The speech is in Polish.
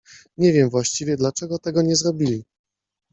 Nie wiem właściwie, dlaczego tego nie zrobili.